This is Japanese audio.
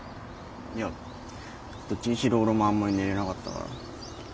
いやどっちにしろ俺もあんまり寝れなかったから。